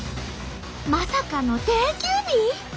まさかの定休日！？